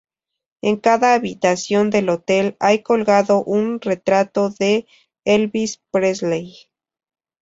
En cada habitación del hotel hay colgado un retrato de Elvis Presley.